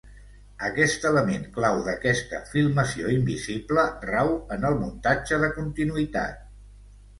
Aquest element clau d'aquesta filmació invisible rau en el muntatge de continuïtat.